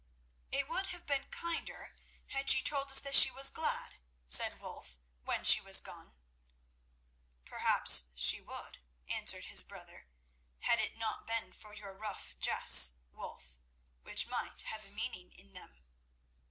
"It would have been kinder had she told us that she was glad," said Wulf when she was gone. "Perhaps she would," answered his brother, "had it not been for your rough jests, Wulf, which might have a meaning in them."